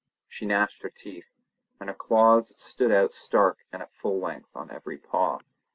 She gnashed her teeth, and her claws stood out stark and at full length on every paw.